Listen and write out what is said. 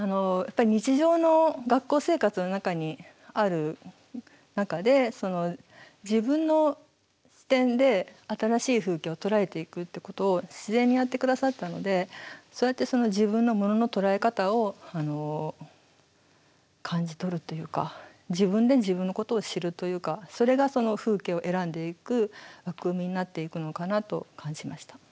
日常の学校生活の中にある中で自分の視点で新しい風景を捉えていくってことを自然にやってくださったのでそうやって自分のものの捉え方を感じ取るというか自分で自分のことを知るというかそれが風景を選んでいく枠組みになっていくのかなと感じました。